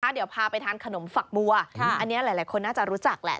เดี๋ยวพาไปทานขนมฝักบัวอันนี้หลายคนน่าจะรู้จักแหละ